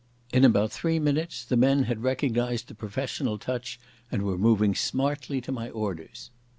In about three minutes the men had recognised the professional touch and were moving smartly to my orders.